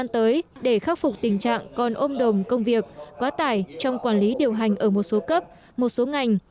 tình trạng còn ôm đồng công việc quá tải trong quản lý điều hành ở một số cấp một số ngành